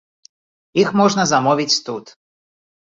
Іх можна замовіць тут.